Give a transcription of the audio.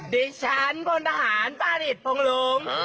ดิฉันพลธหารป้านิจพงฤง